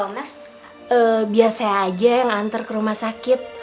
mas biasa aja yang antar ke rumah sakit